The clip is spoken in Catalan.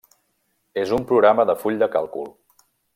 És un programa de full de càlcul.